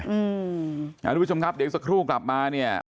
คุณผู้ชมครับเดี๋ยวอีกสักครู่กลับมาเนี่ย